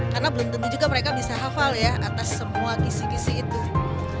karena belum tentu juga mereka bisa hafal atas semua kisi kisi itu